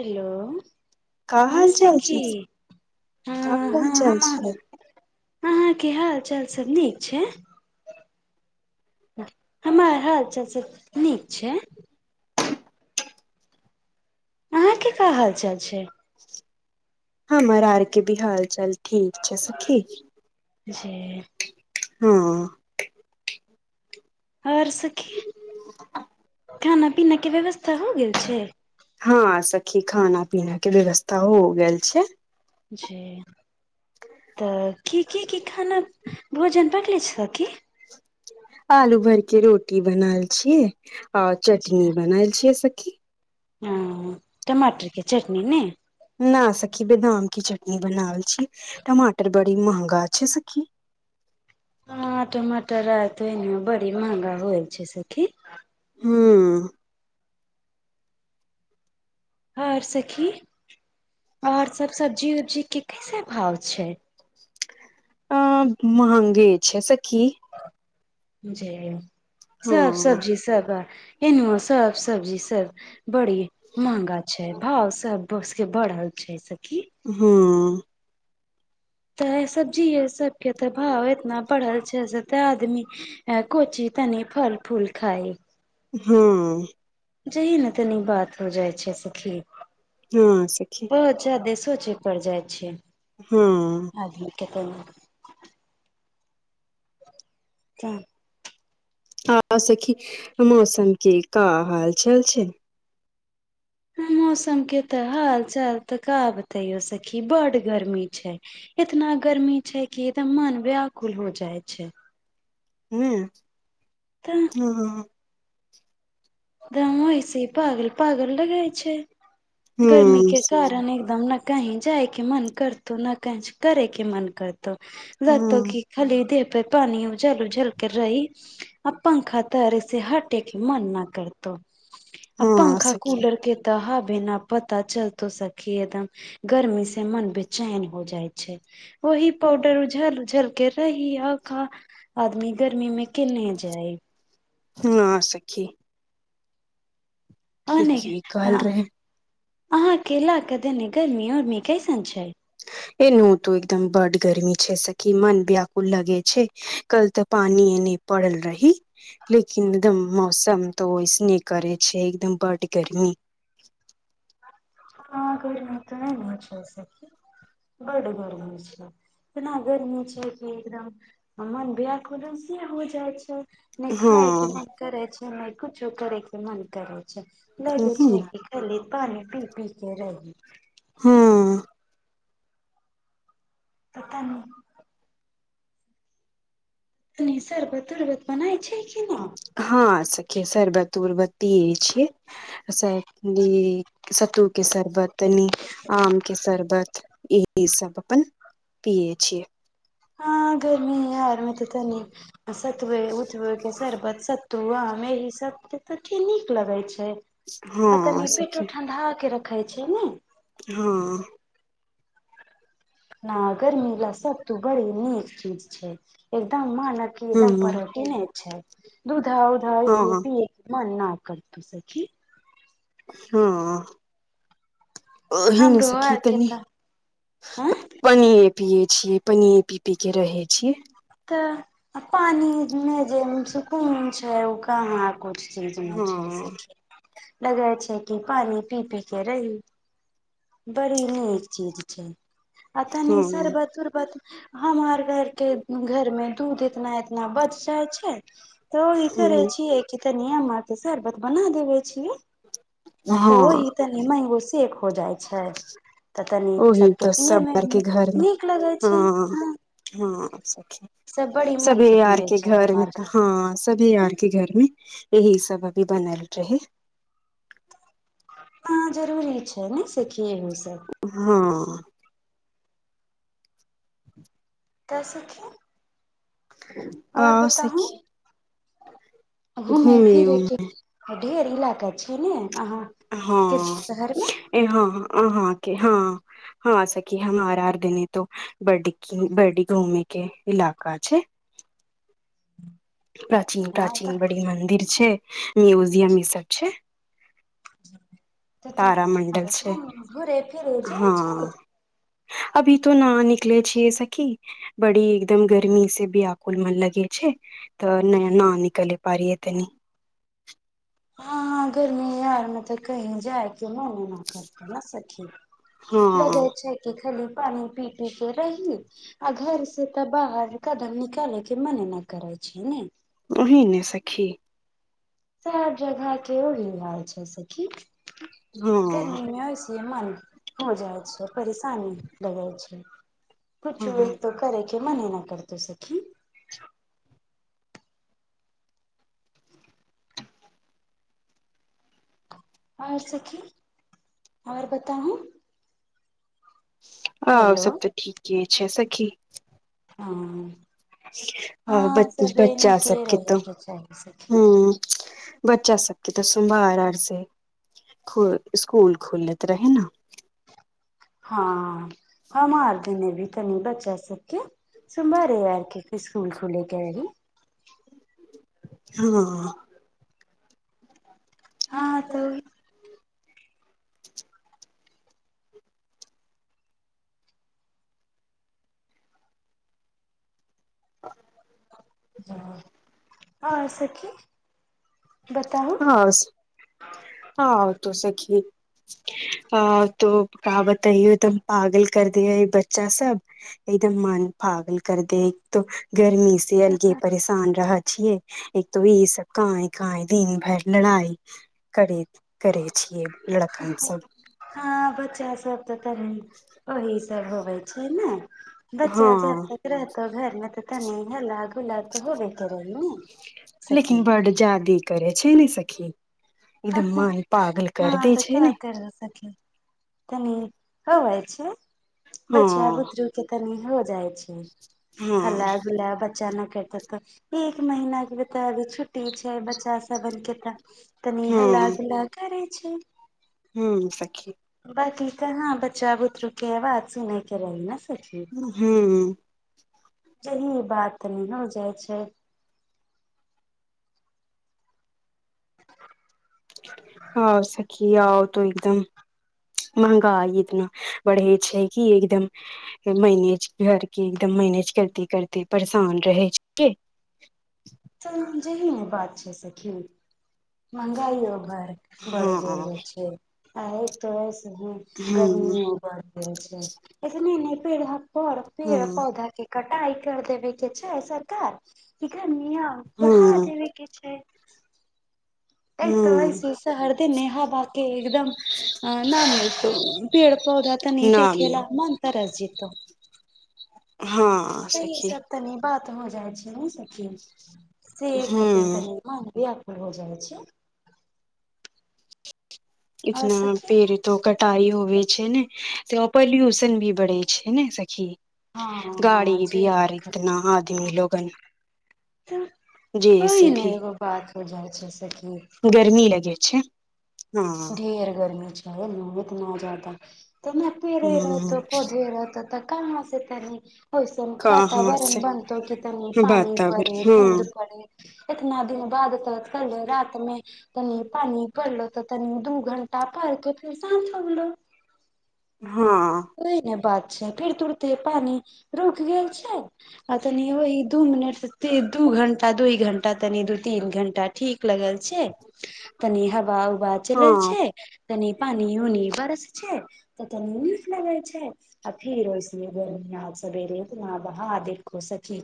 hello का हँ हाल चाल छै सखी हँ का हाल हँ चाल हम अहाँ छै हँ हँ की हाल चाल सब नीक छै हमर हाल चाल सब नीक छै अहाँ के का हाल चाल छै हमर आर के भी हाल चाल ठीक छै सखी जे हँ आर सखी खाना पीना के व्यवस्था हो गेल छै हँ सखी खाना पीना के व्यवस्था हो हो गेल छै जी तऽ की की की खाना भोजन पकले छ की आलू भर के रोटी बनायल छियै आ चटनी बनल छियै सखी हँ टमाटर के चटनी ने न सखी बेदाम के चटनी बनावल छी टमाटर बड़ी महगा छै सखी हँ टमाटर आत में बड़ी महगा होइल छै सखी हँ आओर सखी आओर सब सब्जी जी के कैसे भाव छै हं महंगे छै सखी जे सब हँ सब्जी सब एनेहु सब सब्जी सब बड़ी महंगा छै भाव सब वस्तु के बढ़ल छै सखी हँ तऽ सब्जी सब के तऽ भाव एतना बढ़ल छै से ते आदमी ए कोची तनि फल फूल खाय हँ जही ने तनी बात हो जाइ छै सखी हँ सखी बहुत जादे सोचे पड़ जाइ छै हँ केत त आ सखी मौसम के का हाल चाल छै [inaudible] मौसम के त हाल चाल तऽ का बतएयो सखी बड गर्मी छै इतना गर्मी छै कि एकदम मन व्यकुल हो जाइ छै हूं तऽ हूं हूं घमोरी से पागल पागल लगय छै गर्मी हँ के सखी कारण एकदम न कहीं जाइके मन करतौ न काज करैके मन करत लागतो हँ की खाली देह पर पानी उझल उझल कर रही आ पंखा तरे से हटे के मन न कर तौ आ हँ पंखा सखी कूलर के त ह बिना पता चलतो सखी एकदम गर्मी से मन बेचैन हो जाइ छै ओहि पाउडर ऊझल उझलके रहहि आखा आदमी गर्मीमे केने जाए हं सखी ओहन ठीके कहल रहे अहां के ल ह क देने गर्मी ओर्मी कैसन छै ए नू तऽ एकदम बड गर्मी छै सखी मन ब्याकुल लगे छै कल तऽ प पानि ए नहि पड़ल रही लेकिन एकदम मौसम तो ऐसने करे छै एकदम बड गर्मी हँ गर्मी तऽ नहि ने छै बड गर्मी छै इतना गर्मी छै कि एकदम मन ब्याकुलन से हो जाइ छै नहि खायके हँ मन करै छै नहि कुछो करैके मन करै छै लगे छै कि खली पानि पी पी के रही हँ पता नहि तनी सरबत उरबत बनाय छै की न हँ सखी सरबत उरबत पियए छिय स ई सत्तू के शरबत तनि आम के शर्बत इह सब अपन पियै छियै आ गर्मी आरमे ते तनि सतुए उठबए के शरबत सतु आ मे ही सब के नीक लगे छै आ हँ तनी सखी पेटो ठंडा के र खाय छै ने हँ न गरमी लय सत्तु बड़ी नीक चीज छै एकदम मान की एकदम हँ परोटी नहि छै दूधअ उधअ ऐसीए हँ पी मन न करतओ सखी हँ और ही नहि हमरो सकी आरके तनी तऽ आँ पनीय पियए छीयै पनीये पी पी के रहे छीयै त पानी मे जे सुकून छै उ कहाँ कु चीज नहि छै हँ सखी लगै छै कि पानी पी पी के रहि बरीनीक चीज छै अतअ नि हँ सरबत ऊरबत हमर घरके घरमे दूध इतना इतना बच जाइ छै तऽ ई करे हँ छियै कि तनिय मां के शरबत बना देबे छियै तऽ ओह ई हँ तनि मैंगो सेक हो जाइ छै तऽ तनी ओही सबके तऽ पिये मे सबघरके घरमे नीक लगे हँ छै हँ हँ खी सब बड़ी सभ मन से यार पिये के छै घरमे हमार तऽ हँ घर सभी यार के घरमे यही सब अभी बनल रहै हाँ जरूरी छै नहि सखी एहू सब हँ त सखी आ सखी घुमे घूमे फिरे के ढेर इलाका छय ने अहाँके हँ शहरमे ए हँ हँ अहां हँ हँ सखी हमर आर दने त बड बड घूम के टाका छै ह प्राचीन प्राचीन बड़ी मंन्दिर छै म्यूजियम ई सब छै त तारामंडल छै तऽ घरे फिर जाउ हँ छ अभी तो न निकले छिय सखी बड़ी एकदम गर्मी से भी आकुल मन लगे तऽ नया न निकले पारीऐ तनी हँ गर्मी आारमे तऽ कहीं जायके मोन न करते न सखी लगै हँ छै की खाली पानी पी पी के रहहि आ घर से तऽ बाहर कदम निकाले के मने न करै छै ने उन्हहि ने सखी सए जगह केओ न रहलाल छै स की हँ गर्मी मे होइस मन हो जाइ छै परेशानी लगै छै पूछू एक हँ त करै कि मने न करय हय सखी आओर सखी आओर बताहुू आओर ओ सब तऽ ठीके छै सखी हँ आ ब हँ सबे बच्चा नीके सबके रहे तऽ के चाही सखी ह बच्चा सबके तऽ सोमवार आर से ख स्सकुल खोलैत रहे ने हँ हमार दने भी तनी बच्चा सबके सोमवारे आर क स्कूल खुलैयकें रही हँ ह त हँ [inaudible] ह आँ सखी बताउ हँ तू सखी अ तो क बताइौ त हम पागल कर द ह बच्चा सब एकदम मन पागल कर दे एक तो गर्मी से अलगे परेशान रहत छिये एक तो ई सब कांय कांय दिन भरि लड़ाई करैत करै छियै लड़कन सभ हँ बच्चा सब तऽ तनी ओहे सब होवे छै ने हँ बच्चा जब तक रहतौ घरमे तऽ तनी हल्ला गुल्ला तऽ होबे करै ने लेकिन सखी बड्ड जादे करै छै ने सखी ईदम्म मन पागल कर हँ देै तऽ छै का ने कर सकी तनी हो जाइ छै हँ बच्चा बुतरू के तनी हो जाइ छै हँ हल्ला गुल्ला बच्चा न करतै तऽ एक महीना के बता अभी छुट्टी छै बच्चा सबन के तऽ तनी हल्ला गुल्ला करै छै हूँ सखी बाकी कहँ बच्चा बुतरु के आवाज सुनै के रहै न हूँ जहिये बात नहि हो जाय छै [inaudible] हँ सखी आओर तुम बताउ [unintelligible] महंगाई इतना बढ़ै छै कि एकदम मैनेज घरके एकदम मैनेज करते करते परेशान रहै छी की जेही ने बात छै सखी महंगाइयो भर बढ़ हँ गेल हँ छै आ एक तो हूँ हँ गर्मियों बढ़ गेल छै एतनी नहि पैन हेत [unintelligible] पर पेड़ पौधा के कटाई कर देबै के छै सरकार कि गर्मी बढ़ा हँ देबै के छै तै कहै हँ छी सहरदे नेहा बात के एकदम न मिलतौ पेड़ पौधा तनी देखे नामी ला मन तरस जेतो तऽ हँ सखी तनी बात हो जाइ छै ने सखी सेहे खातिर हूँ तनी मोन दियत भऽ जाय छै आओर इतना सखी पेड़ तो कट टाई होवे छै ने से पोल्यूशन भी बढ़ै छै ने सखी हँ गाड़ी हँ बिआर जी इतना आदमी लोगन तऽ जी वही से ने भी एगो बात हो जाइ छै सखी गर्मी लगे छैे ढेर गर्मी छै लू इतना जादा तऽ नै पेड़े रहतौ ह पौधे रहतौ ता कहाँ से गर्मी ओय सन कहाँ वातावरण से बनतौ कि तनी पानी वातावरण पड़े बूँद हँ पड़े इतना दिन बाद त कल रात में कनि पानि पड़लो त तनी दू घंटा पढ़ के फेर शांत हो गेलो ओहि न बात फेर तुरते पानी रुक गेल छै आ तनि ओहि दू मिनट से दू घंटा दू घंटा तनि दू तीन घंटा ठीक लगल छै तनि हवा उवा चलल हँ हँ छै तनी पानी उनी बरस छै तऽ तनी लगै छै आ फिर ओहिसने गर्मी आज सबेरे इतना बहा देखु सखी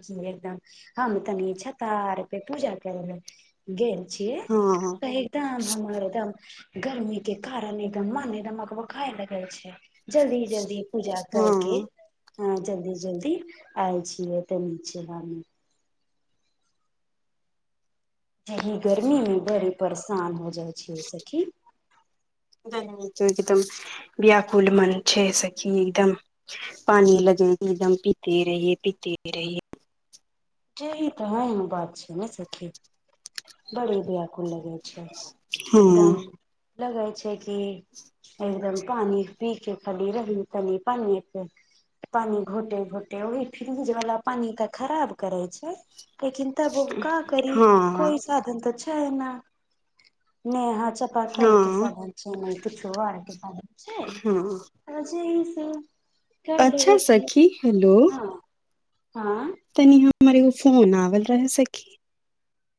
[inaudible] छियै हँ तऽ एकदम हम हरदम गर्मी के कारण एकदम मन एकदम अकबकाय लगल छै जल्दी जल्दी जी पूजा करके हँ हँ जल्दी जल्दी आयल छिये तऽ नीचे हम एही गर्मी मे बड़े परेशान हो जाइ छियै सखी गर्मी सँ एकदम व्याकुल मन छै सखी एकदम पानी लग दम पीते रहियए पीते रहिए जेहि त हँ एन बात छै ने सखी बड़े व्याकुल लगे छै एकदम हँ लगै छै कि एकदम पानी पीके खली रह तनी पानिये पे पानी घोटे घोटे ओहि फ्रिज वाला पानि तऽ खराब करै छै लेक त ब का करी हँ कोइ साधन त छ छैना नेहा चापाकल के हँ साधन छै नहि किछो आर के साधन हँ छै जे से कर अच्छा लेबै छियै सखी हलो हँ हँ तनी हमरएगो फोन आवल रह सखी